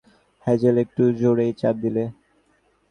Hazel, একটু জোরেই চাপ দিলে।